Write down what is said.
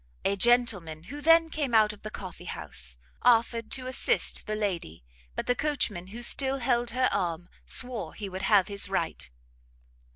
A gentleman, who then came out of the coffee house, offered to assist the lady, but the coachman, who still held her arm, swore he would have his right.